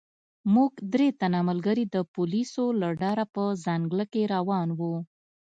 موږ درې تنه ملګري د پولیسو له ډاره په ځنګله کې روان وو.